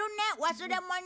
忘れ物？